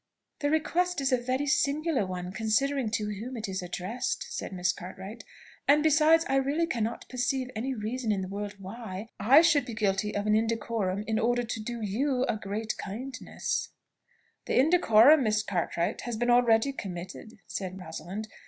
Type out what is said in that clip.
"The request is a very singular one, considering to whom it is addressed," said Miss Cartwright; "and besides I really cannot perceive any reason in the world why I should be guilty of an indecorum in order to do you a great kindness." "The indecorum, Miss Cartwright, has been already committed," said Rosalind.